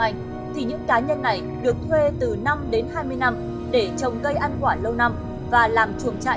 anh thì những cá nhân này được thuê từ năm đến hai mươi năm để trồng cây ăn quả lâu năm và làm chuồng trại